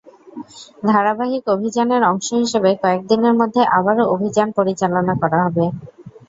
ধারাবাহিক অভিযানের অংশ হিসেবে কয়েক দিনের মধ্যে আবারও অভিযান পরিচালনা করা হবে।